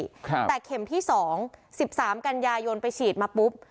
ครับแต่เข็มที่สองสิบสามกันยายนไปฉีดมาปุ๊บ